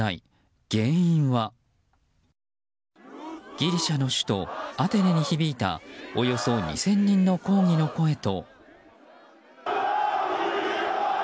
ギリシャの首都アテネに響いたおよそ２０００人の抗議の声と。